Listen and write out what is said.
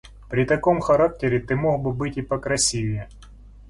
При таком характере ты мог бы быть и покрасивее.